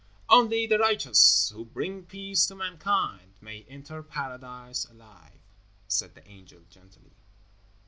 "Only the righteous who bring peace to mankind may enter Paradise alive," said the angel, gently.